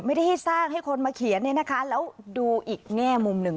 ไม่ได้ให้สร้างให้คนมาเขียนเนี่ยนะคะแล้วดูอีกแง่มุมหนึ่ง